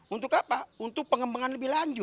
untuk apa untuk pengembangan lebih lanjut